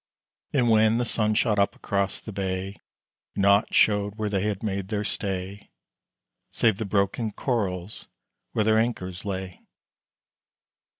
And when the sun shot up across the bay, Naught showed where they had made their stay, Save the broken corals where their anchors lay.